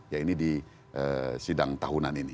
ya ini di sidang tahunan ini